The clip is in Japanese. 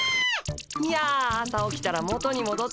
いや朝起きたら元にもどってました。